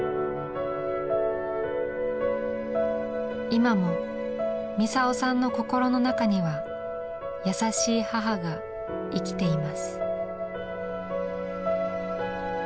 今もミサオさんの心の中には優しい母が生きています。